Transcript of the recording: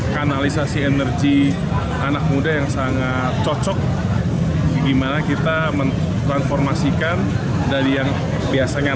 kanalisasi energi anak muda yang sangat cocok gimana kita mentransformasikan dari yang biasanya